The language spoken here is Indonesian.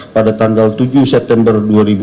pada tanggal tujuh september dua ribu dua puluh